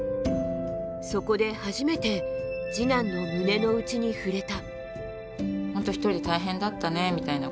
そこで初めて次男の胸の内に触れた。